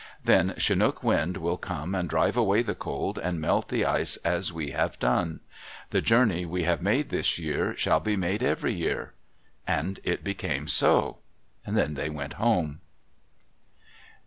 Then Chinook Wind will come and drive away the cold and melt the ice as we have done. The journey we have made this year shall be made every year." And it became so. Then they went home.